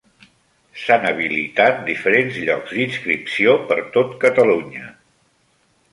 S'han habilitat diferents llocs d'inscripció per tot Catalunya.